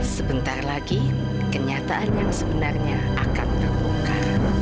sebentar lagi kenyataan yang sebenarnya akan terbuka